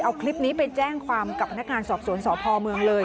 เอาคลิปนี้ไปแจ้งความกับพนักงานสอบสวนสพเมืองเลย